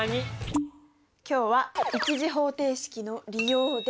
今日は１次方程式の利用です。